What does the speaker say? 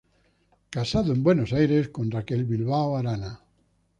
Casado en Buenos Aires con Raquel Bilbao Arana.